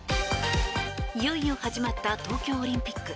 いよいよ始まった東京オリンピック。